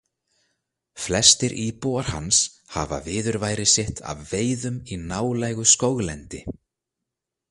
Flestir íbúar hans hafa viðurværi sitt af veiðum í nálægu skóglendi.